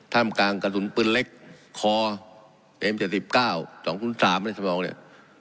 ท่ามกลางกระสุนปืนเล็กคอเอ็มเจอสิบเก้าสองศูนย์สามนี่สมองเนี้ย